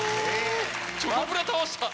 チョコプラ倒した。